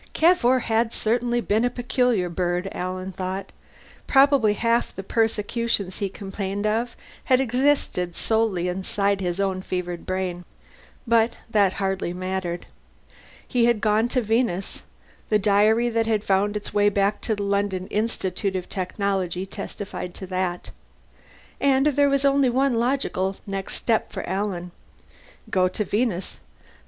Cavour had certainly been a peculiar bird, Alan thought. Probably half the "persecutions" he complained of had existed solely inside his own fevered brain. But that hardly mattered. He had gone to Venus; the diary that had found its way back to the London Institute of Technology testified to that. And there was only one logical next step for Alan. Go to Venus.